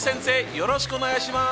よろしくお願いします！